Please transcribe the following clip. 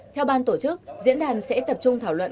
theo ban tổ chức diễn đàn sẽ tập trung thảo luận